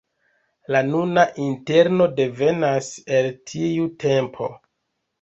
La nuna interno devenas el tiu tempo.